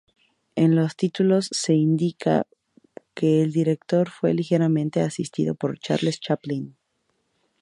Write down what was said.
En los títulos se indica que el director fue "ligeramente asistido por Charles Chaplin".